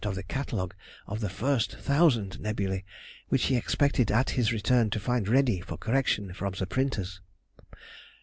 of the catalogue of the first thousand nebulæ, which he expected at his return to find ready for correction from the printers.